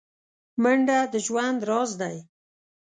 منډه د ژوند راز دی